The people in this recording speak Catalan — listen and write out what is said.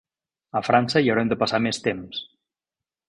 A França hi haurem de passar més temps.